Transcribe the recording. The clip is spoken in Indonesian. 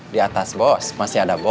di atas bos masih ada bos